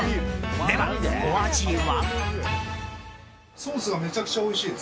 では、お味は？